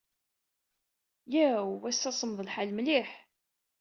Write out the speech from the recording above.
Yaw! Ass-a ssemmeḍ lḥal mliḥ.